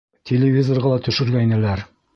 Телевизорға ла төшөргәйнеләр.